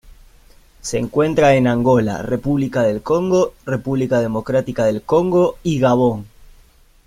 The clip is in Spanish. Se encuentra en Angola, República del Congo, República Democrática del Congo, y Gabón.